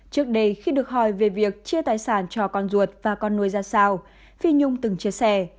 trước đây khi được hỏi về việc chia tài sản cho con ruột và con nuôi ra sao phi nhung từng chia sẻ